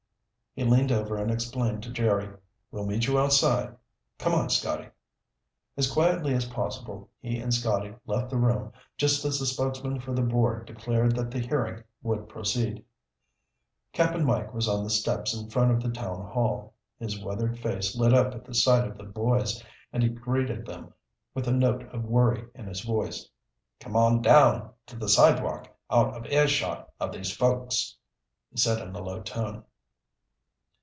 He leaned over and explained to Jerry. "We'll meet you outside. Come on, Scotty." As quietly as possible he and Scotty left the room just as the spokesman for the board declared that the hearing would proceed. Cap'n Mike was on the steps in front of the town hall. His weathered face lit up at the sight of the boys and he greeted them with a note of worry in his voice. "Come on down to the sidewalk out of earshot of these folks," he said in a low tone.